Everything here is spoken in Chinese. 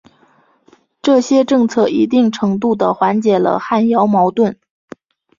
这些政策一定程度的缓解了汉瑶矛盾。